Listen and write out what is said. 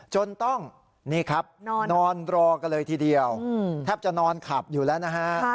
จนต้องนี่ครับนอนรอกันเลยทีเดียวแทบจะนอนขับอยู่แล้วนะฮะ